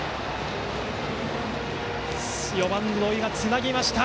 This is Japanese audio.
４番、土井がつなぎました。